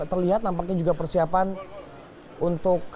terlihat nampaknya juga persiapan untuk